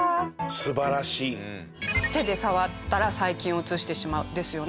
「手で触ったら細菌をうつしてしまう」ですよね。